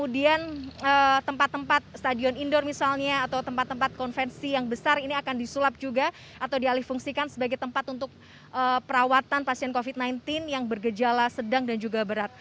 dan tempat tempat stadion indoor misalnya atau tempat tempat konvensi yang besar ini akan disulap juga atau dialih fungsikan sebagai tempat untuk perawatan pasien covid sembilan belas yang bergejala sedang dan juga berat